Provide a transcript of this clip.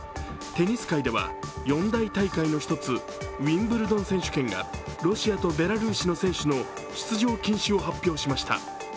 テニス界では４大大会の１つ、ウィンブルドン選手権でロシアとベラルーシの選手の出場禁止を発表しました。